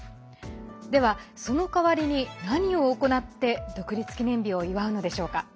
では、その代わりに何を行って独立記念日を祝うのでしょうか。